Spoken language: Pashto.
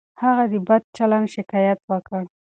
هغه د بد چلند شکایت وکړ.